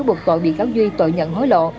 buộc tội bị cáo duy tội nhận hối lộ